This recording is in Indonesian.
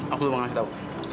aku juga mau kasih tau